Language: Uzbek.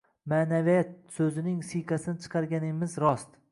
«Ma’naviyat» so‘zining siyqasini chiqarganimiz rost.